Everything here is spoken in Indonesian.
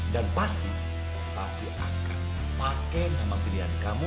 dan pasti papi akan pakai nama pilihan kamu